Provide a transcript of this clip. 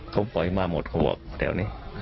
เขาปล่อยมาหมดเขาบอกแถวนี้